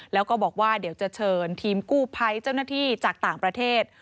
แล้วก็บอกว่าเดี๋ยวจะเชิญทีมกู้ภัยเจ้าหน้าที่จากต่างประเทศ